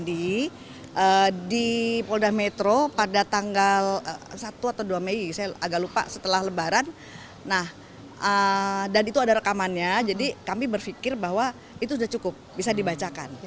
di polda metro pada tanggal satu atau dua mei saya agak lupa setelah lebaran dan itu ada rekamannya jadi kami berpikir bahwa itu sudah cukup bisa dibacakan